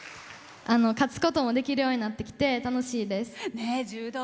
勝つこともできるようになってきて、楽しいです。